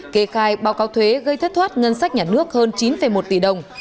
kê khai báo cáo thuế gây thất thoát ngân sách nhà nước hơn chín một tỷ đồng